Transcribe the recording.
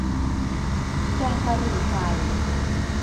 แกงกะหรี่ไก่